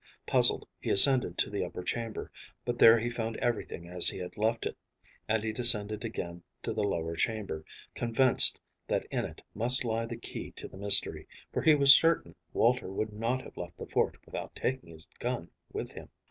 Puzzled, he ascended to the upper chamber, but here he found everything as he had left it, and he descended again to the lower chamber, convinced that in it must lie the key to the mystery, for he was certain Walter would not have left the fort without taking his gun with him.